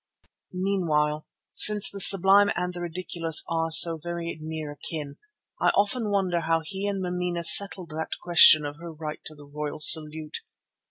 Meanwhile, since the sublime and the ridiculous are so very near akin, I often wonder how he and Mameena settled that question of her right to the royal salute.